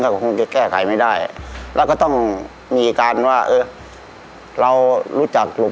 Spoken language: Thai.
ก็คงจะแก้ไขไม่ได้แล้วก็ต้องมีการว่าเออเรารู้จักลูก